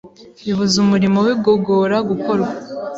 bibuza umurimo w’igogora gukorwa.